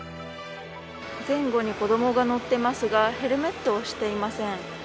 前後に子どもが乗っていますがヘルメットをしていません。